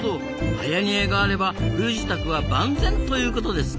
はやにえがあれば冬支度は万全ということですな。